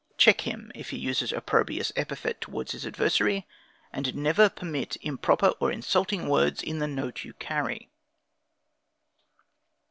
Check him if he uses opprobrious epithet towards his adversary, and never permit improper or insulting words in the note you carry.